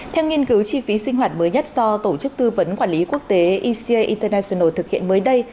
theo nghiên cứu chi phí sinh hoạt mới nhất do tổ chức tư vấn quản lý quốc tế eca international thực hiện mới đây